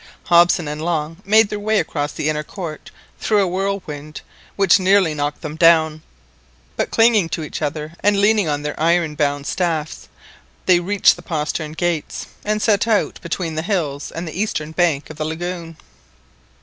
Hobson and Long made their way across the inner court through a whirlwind which nearly knocked them down; but clinging to each other, and leaning on their iron bound staffs, they reached the postern gates, and set out [beween] between the hills and the eastern bank of the lagoon.